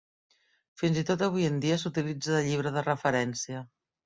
Fins i tot avui en dia s'utilitza de llibre de referència.